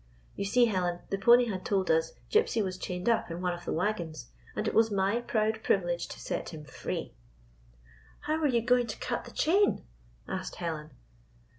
You see, Helen, the pony had told us Gypsy was chained up in one of the wagons, and it was my proud privilege to set him free." "How were you going to cut the chain?" asked Helen.